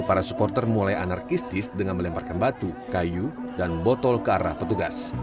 para supporter mulai anarkistis dengan melemparkan batu kayu dan botol ke arah petugas